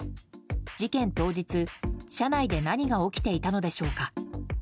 事件当日、車内で何が起きていたのでしょうか。